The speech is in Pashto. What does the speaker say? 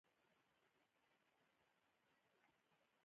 کابل د افغانستان د جغرافیایي موقیعت یوه څرګنده پایله ده.